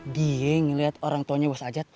dia ngeliat orang tuanya bos ajat